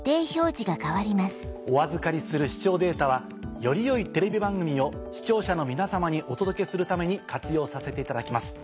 お預かりする視聴データはよりよいテレビ番組を視聴者の皆様にお届けするために活用させていただきます。